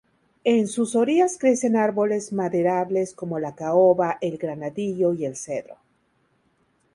En sus orillas crecen árboles maderables como la caoba, el granadillo y el cedro.